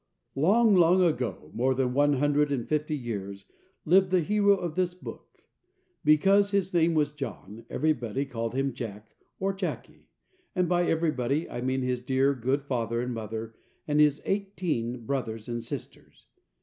LONG, long ago, more than one hundred and fifty years, lived the hero of this book. Because his name was John, everybody called him Jack or Jacky; and by everybody I mean his dear, good father and mother, and his eighteen brothers and sisters.